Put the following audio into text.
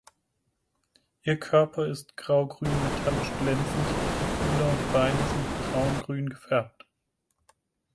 Ihr Körper ist graugrün metallisch glänzend, die Fühler und Beine sind braungrün gefärbt.